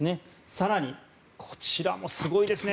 更に、こちらもすごいですね。